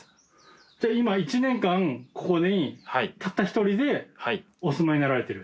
じゃあ今１年間ここにたった１人でお住まいになられてる。